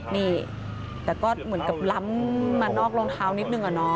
นี่แต่ก็เหมือนกับล้ำมานอกรองเท้านิดนึงอะเนาะ